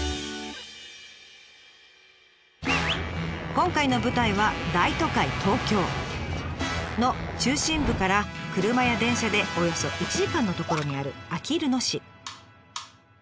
今回の舞台は大都会の中心部から車や電車でおよそ１時間の所にあるあきる野市。